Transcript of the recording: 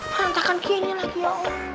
rantakan kayak gini lagi ya